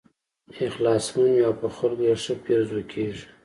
اخلاصمن وي او په خلکو یې ښه پیرزو کېږي.